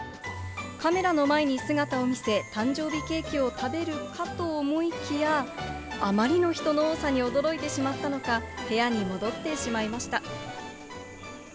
カメラの前に姿を見せ、誕生日ケーキを食べるかと思いきや、あまりの人の多さに驚いてしまったのか、部屋に戻ってしまいました。